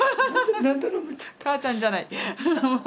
母ちゃんじゃない。